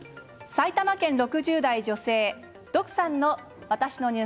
埼玉県６０代女性。